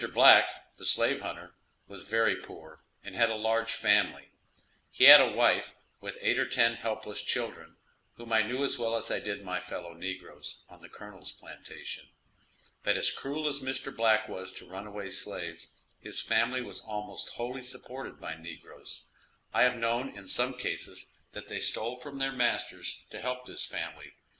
Black, the slave hunter, was very poor, and had a large family; he had a wife, with eight or ten helpless children, whom I knew as well as I did my fellow negroes on the colonel's plantation. But as cruel as Mr. Black was to runaway slaves, his family was almost wholly supported by negroes; I have known in some cases that they stole from their masters to help this family.